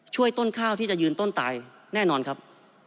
ช่วยต้นข้าวที่จะยืนต้นตายแน่นอนครับ